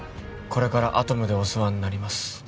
これからアトムでお世話になります